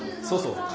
そうそう。